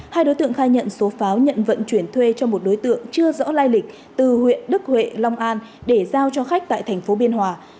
hai đối tượng khai nhận số pháo nhận vận chuyển thuê cho một đối tượng chưa rõ lai lịch từ huyện đức huệ long an để giao cho khách tại thành phố biên hòa